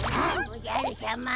おじゃるしゃま。